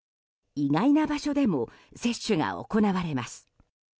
意外な場所でも接種が行われます。